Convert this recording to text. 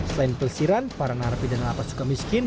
selain pelesiran para narapi dana lapas suka miskin